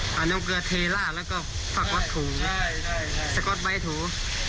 น้ำเกลือเทราะแล้วก็ฝากวัดถูใช่ใช่ใช่สก๊อตใบถู